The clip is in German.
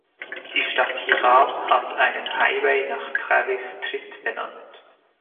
Die Stadt Hiram hat einen Highway nach Travis Tritt benannt.